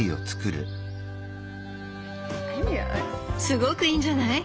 すごくいいんじゃない？